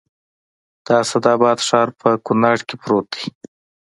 د اسداباد ښار په کونړ کې پروت دی